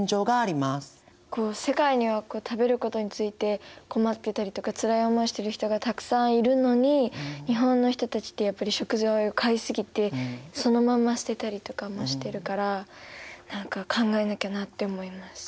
世界には食べることについて困ってたりとかつらい思いしてる人がたくさんいるのに日本の人たちってやっぱり食材を買い過ぎてそのまま捨てたりとかもしてるから何か考えなきゃなって思います。